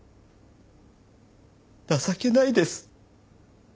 情けないです。